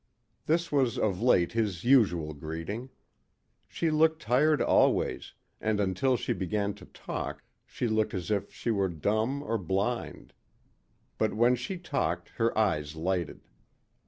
This was of late his usual greeting. She looked tired always, and until she began to talk, she looked as if she were dumb or blind. But when she talked her eyes lighted.